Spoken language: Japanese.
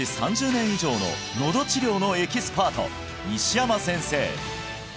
３０年以上ののど治療のエキスパート西山先生